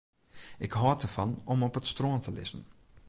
Ik hâld derfan om op it strân te lizzen.